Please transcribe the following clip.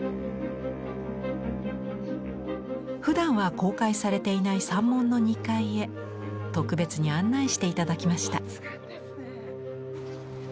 ふだんは公開されていない三門の２階へ特別に案内していただきました。